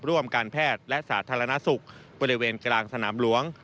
ร่วมการแพทย์และสาธารณสุขบริเวณกลางสนามหลวง